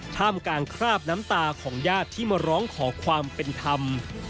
ท่ามกลางคราบน้ำตาของญาติที่มาร้องขอความเป็นธรรม